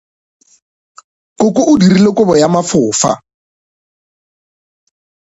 Koko o dirile kobo ya mafofa.